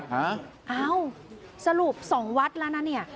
หาเอาสรุปสองวัดแล้วนะเนี่ย